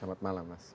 selamat malam mas